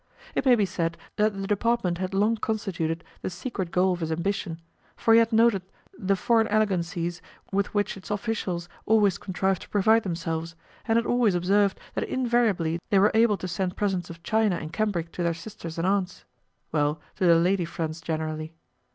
It may be said that the department had long constituted the secret goal of his ambition, for he had noted the foreign elegancies with which its officials always contrived to provide themselves, and had also observed that invariably they were able to send presents of china and cambric to their sisters and aunts well, to their lady friends generally.